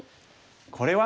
これは。